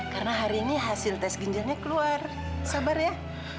karena hari ini hasil tes ginjalnya keluar sabar ya